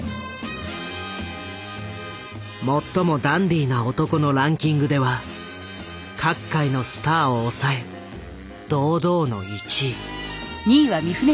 「最もダンディーな男」のランキングでは各界のスターを抑え堂々の１位。